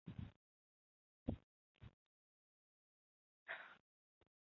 波莫纳加州州立理工大学位于本市。